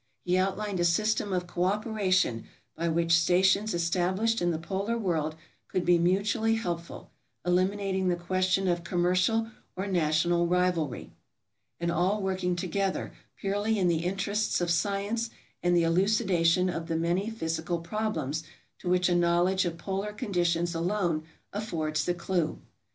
He outlined a system of cooperation by which stations established in the polar world could be mutually help ful, eliminating the question of commercial or national rivalry, and all working together purely in the interests of science and the elucidation of the many physical problems to which a knowledge of polar conditions alone affords the clue.